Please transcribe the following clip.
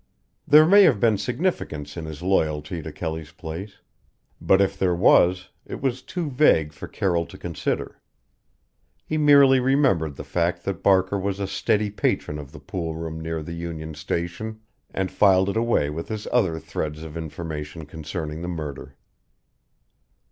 There may have been significance in his loyalty to Kelly's place; but if there was, it was too vague for Carroll to consider. He merely remembered the fact that Barker was a steady patron of the pool room near the Union Station, and filed it away with his other threads of information concerning the murder.